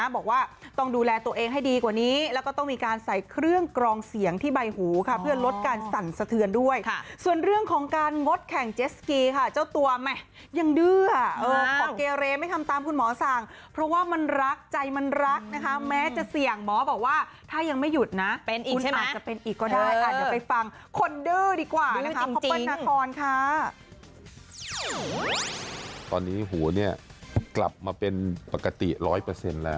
บอกว่าต้องดูแลตัวเองให้ดีกว่านี้แล้วก็ต้องมีการใส่เครื่องกรองเสียงที่ใบหูค่ะเพื่อลดการสั่นสะเทือนด้วยค่ะส่วนเรื่องของการงดแข่งเจสสกีค่ะเจ้าตัวแม่ยังดื้อค่ะเออขอเกรลมให้ทำตามคุณหมอสั่งเพราะว่ามันรักใจมันรักนะคะแม้จะเสี่ยงหมอบอกว่าถ้ายังไม่หยุดนะเป็นอีกใช่ไหมคุณอาจจะเป็นอีกก